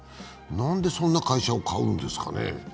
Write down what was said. なんでそんな会社を買うんですかね。